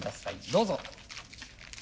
どうぞ。